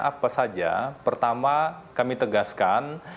apa saja pertama kami tegaskan